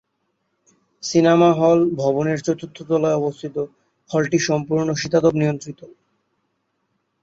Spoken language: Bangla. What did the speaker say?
সিনেমা হল ভবনের চতুর্থ তলায় অবস্থিত হলটি সম্পূর্ণ শীতাতপ নিয়ন্ত্রিত।